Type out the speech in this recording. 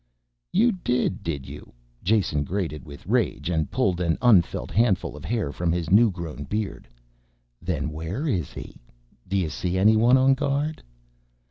"You did, did you?" Jason grated with rage and pulled an unfelt handful of hair from his newgrown beard. "Then where is he? Do you see anyone on guard?"